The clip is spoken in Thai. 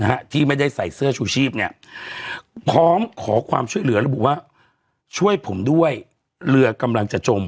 ฮะที่ไม่ได้ใส่เสื้อชูชีพเนี่ยพร้อมขอความช่วยเหลือระบุว่าช่วยผมด้วยเรือกำลังจะจม